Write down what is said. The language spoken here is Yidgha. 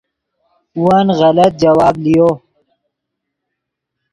ون غلط جواب لیو